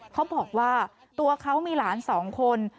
เขาบอกว่าตัวเขามีหลาน๒คน